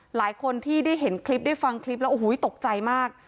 หลายคนที่ได้เห็นคลิปได้ฟังคลิปแล้วโอ้โหตกใจมาก